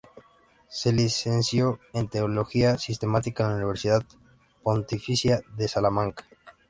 Se licenció en Teología Sistemática en la Universidad Pontificia de Salamanca.